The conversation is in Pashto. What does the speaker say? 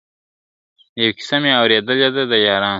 يو كيسه مي اورېدلې ده يارانو !.